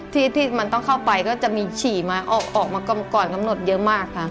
ที่มันต้องเข้าไปก็จะมีฉี่มาออกมาก่อนกำหนดเยอะมากค่ะ